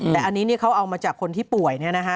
แต่อันนี้เขาเอามาจากคนที่ป่วย